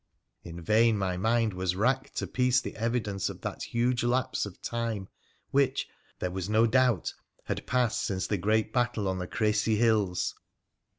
In vain my mind was racked to piece the evidence of that huge lapse of time which, there was no doubt, had passed since the great battle on the Crecy hills.